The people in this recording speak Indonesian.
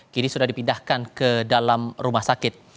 kini sudah dipindahkan ke dalam rumah sakit